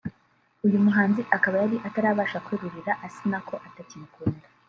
uyu muhanzi akaba yari atarabasha kwerurira Asnah ko atakimukunda